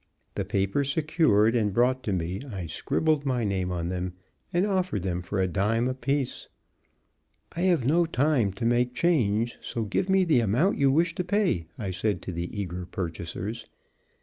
The papers secured and brought to me, I scribbled my name on them and offered them for a dime apiece. "I have no time to make change, so give me the amount you wish to pay," I said to the eager purchasers.